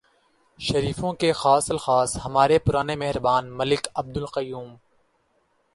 شریفوں کے خاص الخاص ہمارے پرانے مہربان ملک عبدالقیوم۔